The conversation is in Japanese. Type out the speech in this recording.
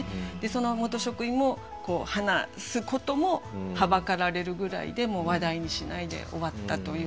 その元職員も話すこともはばかられるぐらいで話題にしないで終わったという話を聞きました。